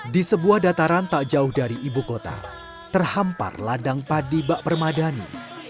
di sebuah dataran tak jauh dari ibu kota terhampar ladang padi bak permadani